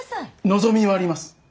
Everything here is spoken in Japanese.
望みはあります。